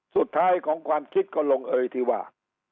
สุดท้ายของความคิดก็ลงเอยที่ว่า